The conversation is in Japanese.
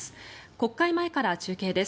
国会前から中継です。